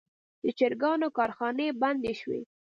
د چرګانو کارخانې بندې شوي.